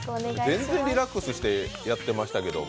全然リラックスしてやってましたけど。